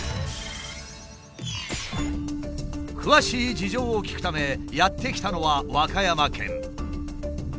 詳しい事情を聞くためやって来たのは和歌山県。